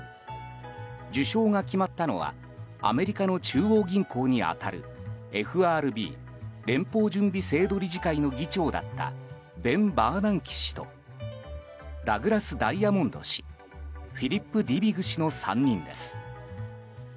受賞が決まったのはアメリカの中央銀行に当たるＦＲＢ・連邦準備制度理事会の議長だったベン・バーナンキ氏とダグラス・ダイヤモンド氏フィリップ・ディビグ氏の３人です。